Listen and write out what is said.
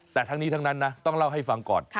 แต่ทั้งนี้ทั้งนั้นนะต้องเล่าให้ฟังก่อน